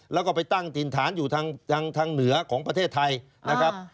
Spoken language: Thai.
แล้วก็ไปตั้งถิ่นฐานอยู่ทางเหนือของประเทศไทยนะครับ